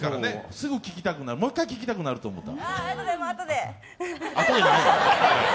すぐ聴きたくなる、もう１回聴きたくなると思った。